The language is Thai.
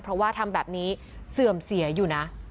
เพราะว่าทำแบบนี้เสื่อมเสียอยู่นะ